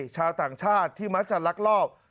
ชาวต่างชาติที่มักจะลักลอบ